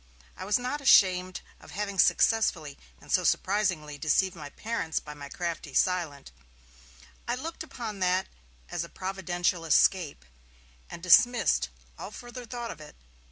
I was not ashamed of having successfully and so surprisingly deceived my parents by my crafty silence; I looked upon that as a providential escape, and dismissed all further thought of it.